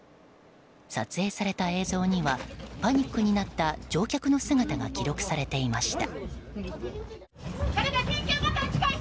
撮影された映像にはパニックになった乗客の姿が記録されていました。